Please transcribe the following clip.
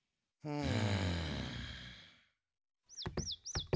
うん！